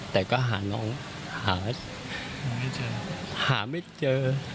แต่ก็หาน้องหาไม่เจอ